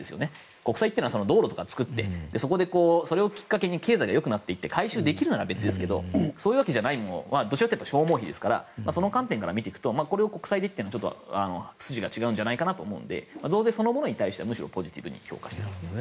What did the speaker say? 国債というのは道路とかを作ってそれをきっかけに経済が良くなって回収できるなら別ですがどちらかというと消耗費ですからこれを国債でというのは筋が違うんじゃないかなと思うので増税そのものに対してはむしろポジティブに評価しています。